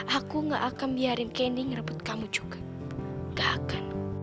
aku gak akan biarin candy ngerebut kamu juga